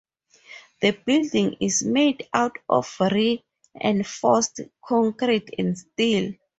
The building is made out of reinforced concrete and steel.